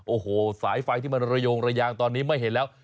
โอ้โหสายไฟที่มันระโยงระยางตอนนี้ไม่เห็นแล้ว